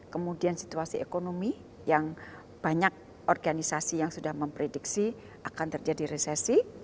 kemudian situasi ekonomi yang banyak organisasi yang sudah memprediksi akan terjadi resesi